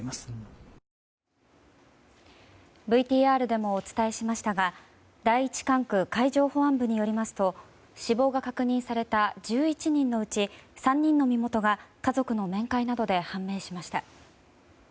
ＶＴＲでもお伝えしましたが第１管区海上保安本部によりますと死亡が確認された１１人のうち３人の身元が家族の面会などで判明しました。